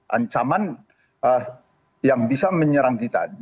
ancaman yang bisa menyerang kita